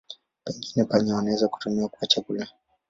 Pengine panya wanaweza kutumiwa kwa chakula.